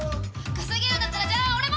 稼げるんだったらじゃあ俺も！